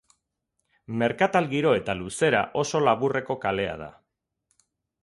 Merkatal giro eta luzera oso laburreko kalea da.